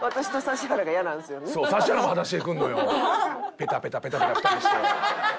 ペタペタペタペタ２人して。